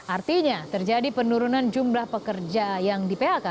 artinya terjadi penurunan jumlah pekerja yang di phk